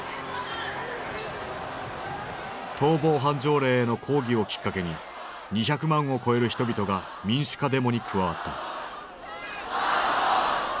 逃亡犯条例への抗議をきっかけに２００万を超える人々が民主化デモに加わった。